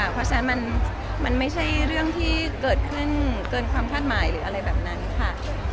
เพราะฉะนั้นมันไม่ใช่เรื่องที่เกิดขึ้นเกินความคาดหมายหรืออะไรแบบนั้นค่ะ